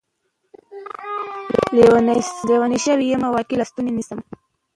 لېونے شوے يمه واګې له توسنه نيسم